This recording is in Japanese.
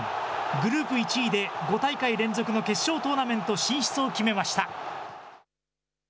グループ１位で５大会連続の決勝トーナメント進出を決めました。